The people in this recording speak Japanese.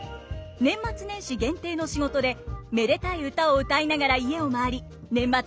年末年始限定の仕事でめでたい歌を歌いながら家を回り年末を盛り上げます。